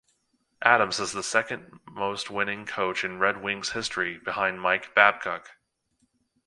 Adams is the second-most winningest coach in Red Wings history, behind Mike Babcock.